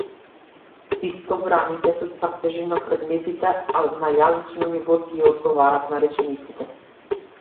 Пиктограмите се цртежи на предметите, а на јазично ниво тие одговараат на речениците.